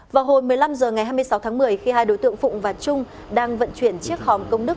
vào hồi một mươi năm h ngày hai mươi sáu tháng một mươi khi hai đối tượng phụng và trung đang vận chuyển chiếc hòm công đức